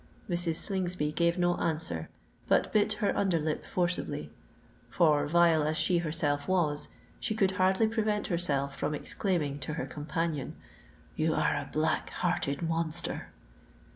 Mrs. Slingsby gave no answer, but bit her under lip forcibly—for vile as she herself was, she could hardly prevent herself from exclaiming to her companion, "You are a black hearted monster!"